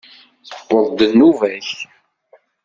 Tewweḍ-d nnuba-k!